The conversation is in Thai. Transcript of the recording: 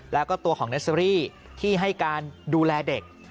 แล้วก็ตัวของเนสเตอรี่ที่ให้การดูแลเด็ก